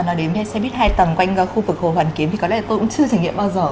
nó đến xe buýt hai tầng quanh khu vực hồ hoàn kiếm thì có lẽ tôi cũng chưa trải nghiệm bao giờ